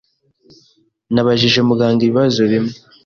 Nabajije muganga ibibazo bimwe.